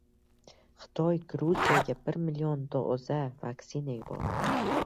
Xitoy Gruziyaga bir million doza vaksina yuboradi